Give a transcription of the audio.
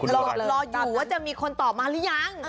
รออยู่ว่าจะมีคนตอบมาหรือยัง